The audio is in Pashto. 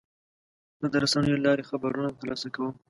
زه د رسنیو له لارې خبرونه ترلاسه کوم.